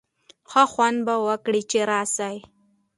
ښه خوند به وکړي چي راسی.